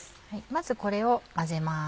まずこれを混ぜます。